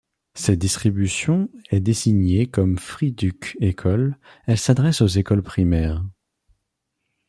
Cette distribution est désignée comme Freeduc-École, elle s'adresse aux écoles primaires.